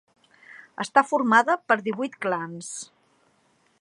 Està formada per divuit clans.